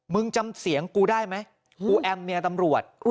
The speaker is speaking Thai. จำเสียงกูได้ไหมกูแอมเมียตำรวจ